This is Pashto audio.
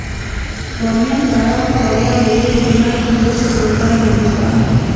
باميان فراه فاریاب غور کنړ کندوز سمنګان نورستان